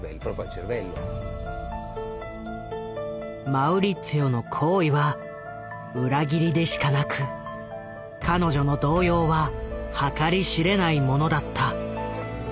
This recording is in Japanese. マウリッツィオの行為は裏切りでしかなく彼女の動揺は計り知れないものだった。